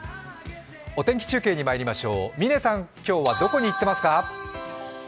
お天気中継にまいりましょう、嶺さん、今日はどこに行ってますか？